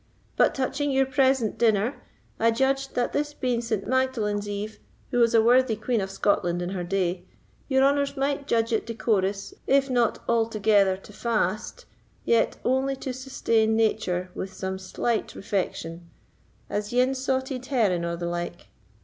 But touching your present dinner, I judged that this being St. Magdalen's [Margaret's] Eve, who was a worthy queen of Scotland in her day, your honours might judge it decorous, if not altogether to fast, yet only to sustain nature with some slight refection, as ane saulted herring or the like."